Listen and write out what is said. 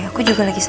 aku juga lagi sibuk